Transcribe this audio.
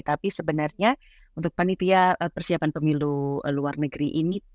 tapi sebenarnya untuk panitia persiapan pemilu luar negeri ini